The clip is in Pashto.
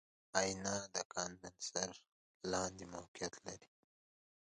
آئینه د کاندنسر لاندې موقعیت لري.